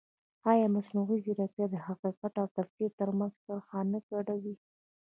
ایا مصنوعي ځیرکتیا د حقیقت او تفسیر ترمنځ کرښه نه ګډوډوي؟